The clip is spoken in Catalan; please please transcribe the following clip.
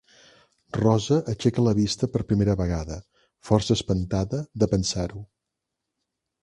Rosa aixeca la vista per primera vegada, força espantada de pensar-ho.